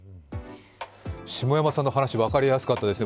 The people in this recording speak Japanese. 下山さんの話、分かりやすかったですね。